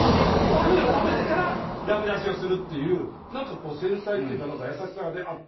パフェを食べてから駄目出しをするっていうなんか繊細っていうか優しさであって。